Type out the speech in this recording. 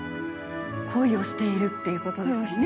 恋をしているっていうことですよね。